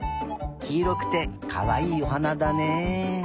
きいろくてかわいいおはなだね。